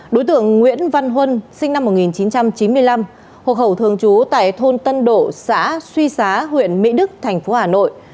đối tượng nguyễn văn huân sinh năm một nghìn chín trăm chín mươi năm hộ khẩu thường trú tại thôn tân độ xã suy xá huyện mỹ đức thành phố hà nội